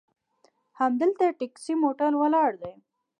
همدلته ټیکسي موټر ولاړ دي.